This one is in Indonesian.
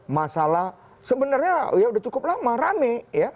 masalah sebenarnya ya sudah cukup lama rame ya